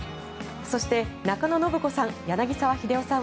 そして、中野信子さん